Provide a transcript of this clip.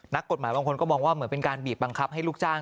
นักกฎหมายบางคนก็มองว่าเหมือนเป็นการบีบบังคับให้ลูกจ้าง